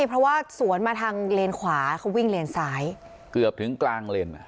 เพราะว่าสวนมาทางเลนขวาเขาวิ่งเลนซ้ายเกือบถึงกลางเลนอ่ะ